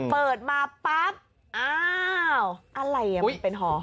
เปิดมาปั๊บอ้าวอะไรอ่ะมันเป็นหอ